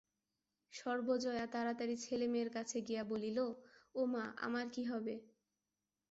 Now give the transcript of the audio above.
সর্বজয়া তাড়াতাড়ি ছেলে-মেয়ের কাছে গিয়া বলিল, ওমা আমার কি হবে।